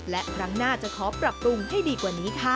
และครั้งหน้าจะขอปรับปรุงให้ดีกว่านี้ค่ะ